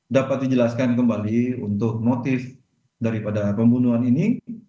dapat dijelaskan kembali untuk motif daripada pembunuhan ini